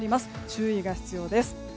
注意が必要です。